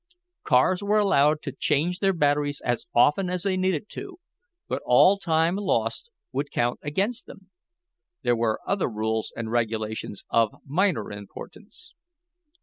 Cars were allowed to change their batteries as often as they needed to, but all time lost would count against them. There were other rules and regulations of minor importance.